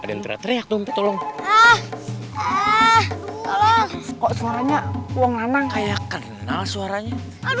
ada yang teringat teringat tolong kok suaranya huang anak suaranya